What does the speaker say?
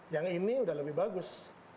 yang ini udah lebih bagus